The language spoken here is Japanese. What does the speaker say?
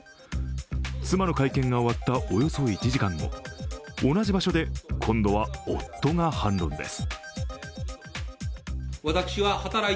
妻の会見が終わったおよそ１時間後同じ場所で今度は夫が反論です。